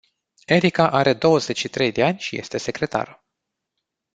Erica are douăzeci și trei de ani și este secretară.